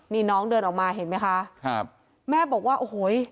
นี่น้องเดินออกมาเห็นไหมคะครับแม่บอกว่าโอ้โห